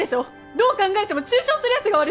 どう考えても中傷するやつが悪いじゃん！